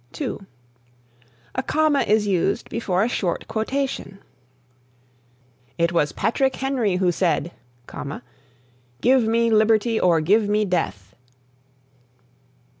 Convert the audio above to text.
(2) A comma is used before a short quotation: "It was Patrick Henry who said, 'Give me liberty or give me death.'"